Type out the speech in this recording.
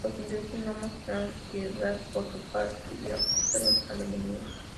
Los ingleses no mostraron piedad por su parte y aplastaron al enemigo.